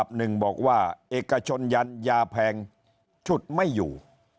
หนึ่งบอกว่าเอกชนยันยาแพงฉุดไม่อยู่